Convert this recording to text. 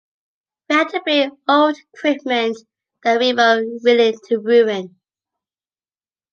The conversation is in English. We had to bring old equipment that we were willing to ruin.